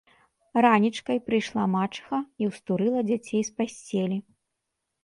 Ранічкай прыйшла мачыха і ўстурыла дзяцей з пасцелі